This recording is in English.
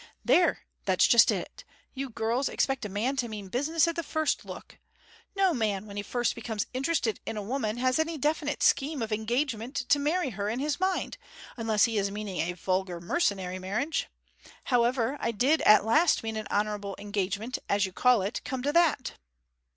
'There, that's just it! You girls expect a man to mean business at the first look. No man when he first becomes interested in a woman has any definite scheme of engagement to marry her in his mind, unless he is meaning a vulgar mercenary marriage. However, I did at last mean an honourable engagement, as you call it, come to that.'